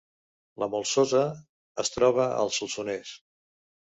La Molsosa es troba al Solsonès